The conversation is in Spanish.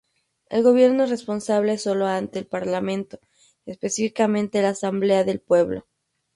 El gobierno es responsable sólo ante el Parlamento, específicamente la Asamblea del Pueblo.